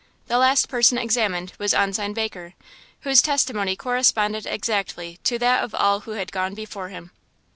The last person examined was Ensign Baker, whose testimony corresponded exactly to that of all who had gone before him.